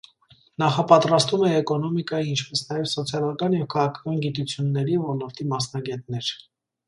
Նախապատրաստում է էկոնոմիկայի, ինչպես նաև սոցիալական և քաղաքական գիտությունների ոլորտի մասնագետներ։